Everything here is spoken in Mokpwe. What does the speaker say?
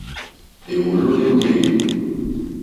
Èwòló éŋɡê.